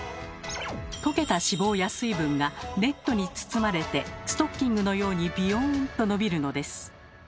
溶けた脂肪や水分がネットに包まれてストッキングのようにビヨンと伸びるのです。